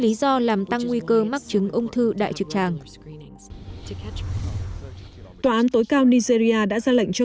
lý do làm tăng nguy cơ mắc chứng ung thư đại trực tràng tòa án tối cao nigeria đã ra lệnh cho